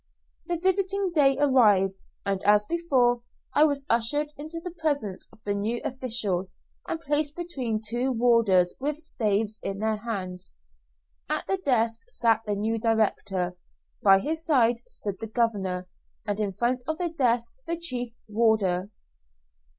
The visiting day arrived, and as before, I was ushered into the presence of the new official, and placed between two warders with staves in their hands. At the desk sat the new director, by his side stood the governor, and in front of the desk the chief warder.